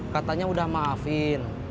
katanya udah maafin